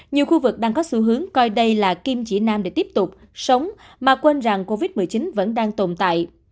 nhiều khu vực đang có xu hướng coi đây là kim chỉ nam để tiếp tục sống mà quên rằng covid một mươi chín vẫn đang tồn tại